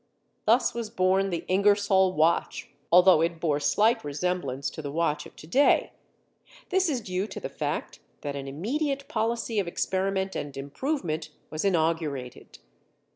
Thus was born the Ingersoll watch, although it bore slight resemblance to the watch of to day. This is due to the fact that an immediate policy of experiment and improvement was inaugurated.